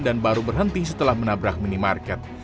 dan baru berhenti setelah menabrak minimarket